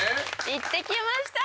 行ってきました！